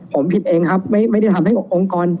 ผมผิดเองครับไม่ได้ทำให้องค์กร